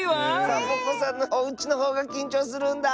「サボ子さんのおうち」のほうがきんちょうするんだ。